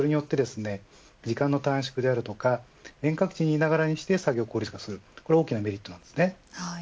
時間の短縮であるとか遠隔地にいながら、作業を効率化する大きなメリットがあります。